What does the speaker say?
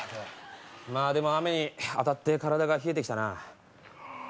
でも雨に当たって体が冷えて来たな。